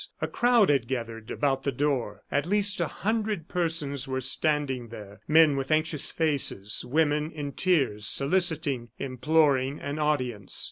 A crowd had gathered about the door. At least a hundred persons were standing there; men with anxious faces, women in tears, soliciting, imploring an audience.